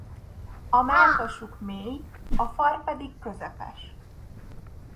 A mellkasuk mély a far pedig közepes.